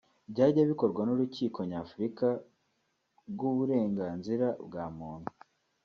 byajya bikorwa n’urukiko Nyafrika rw’uburenganzira bwa muntu